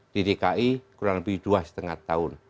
di dki kurang lebih dua lima tahun